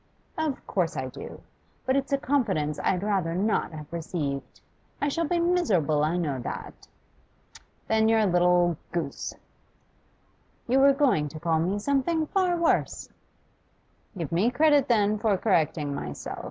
'Of course I do. But it's a confidence I had rather not have received. I shall be miserable, I know that.' 'Then you're a little goose.' 'You were going to call me something far worse.' 'Give me credit, then, for correcting myself.